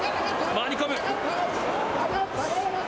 回り込む。